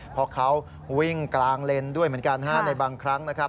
เพราะเขาวิ่งกลางเลนด้วยเหมือนกันในบางครั้งนะครับ